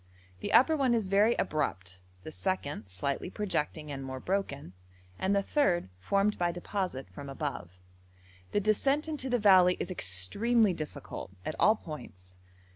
The upper one is very abrupt, the second slightly projecting and more broken, and the third formed by deposit from above. The descent into the valley is extremely difficult at all points.